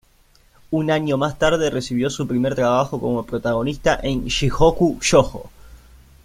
Un año más tarde recibió su primer trabajo como protagonista, en Jigoku Shōjo.